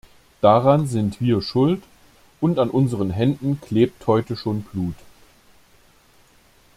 Daran sind wir schuld, und an unseren Händen klebt heute schon Blut.